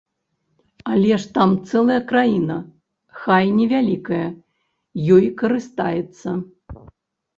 Але ж там цэлая краіна, хай невялікая, ёю карыстаецца.